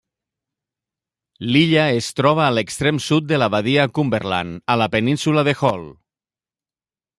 L'illa es troba a l'extrem sud de la badia Cumberland, a la península de Hall.